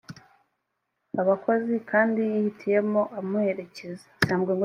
abakozi kandi yihitiyemo amuherekeza